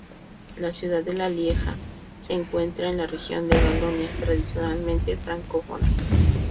La ciudad de Lieja se encuentra en la región de Valonia, tradicionalmente francófona.